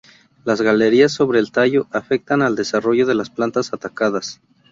Las galerías sobre el tallo afectan al desarrollo de las plantas atacadas.